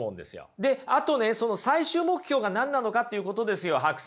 であとね最終目標が何なのかっていうことですよＨＡＫＵ